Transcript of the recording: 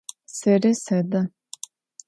Seri sede.